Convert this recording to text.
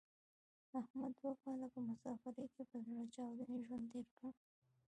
احمد دوه کاله په مسافرۍ کې په زړه چاودې ژوند تېر کړ.